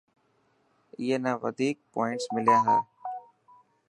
اي نا وڌيڪ پووانٽس مليا هي.